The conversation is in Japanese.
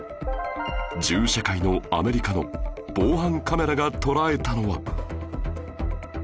銃社会のアメリカの防犯カメラが捉えたのは